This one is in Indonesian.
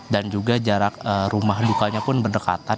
dan juga jarak rumah lukanya pun berdekatan